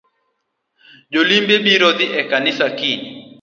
Jolimbe biro dhii e kanisa kiny